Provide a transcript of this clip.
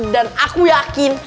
dan aku yakin